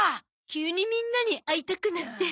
急にみんなに会いたくなって。